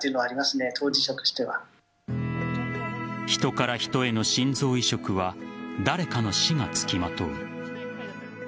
ヒトからヒトへの心臓移植は誰かの死がつきまとう。